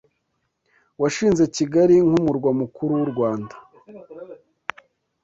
washinze Kigali nk’umurwa mukuru w’u Rwanda